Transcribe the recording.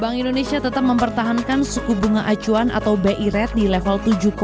bank indonesia tetap mempertahankan suku bunga acuan atau bi rate di level tujuh